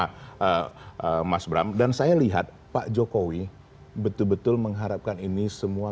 nah mas bram dan saya lihat pak jokowi betul betul mengharapkan ini semua